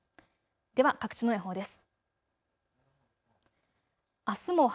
では各地の予報です。